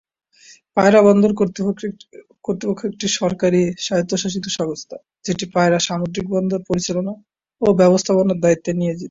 পায়রা বন্দর কর্তৃপক্ষ একটি সরকারি স্বায়ত্তশাসিত সংস্থা যেটি পায়রা সামুদ্রিক বন্দর পরিচালনা ও ব্যবস্থাপনার দায়িত্বে নিয়োজিত।